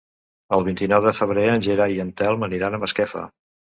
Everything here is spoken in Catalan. El vint-i-nou de febrer en Gerai i en Telm aniran a Masquefa.